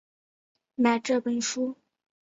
买这本书